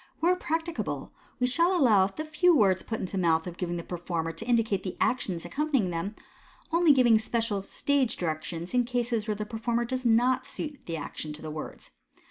Where practicable, we shall allow the few words put into the mouth of the performer to indicate the actions accompanying them, only giving special "stage directions" in cases where the performer does not suit the action to the words.